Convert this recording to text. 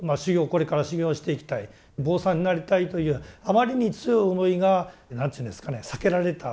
これから修行をしていきたいお坊さんになりたいというあまりに強い思いが何ていうんですかね避けられた。